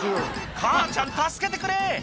「母ちゃん助けてくれ！」